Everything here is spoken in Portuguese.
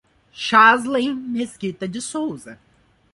Chaslen Mesquita de Sousa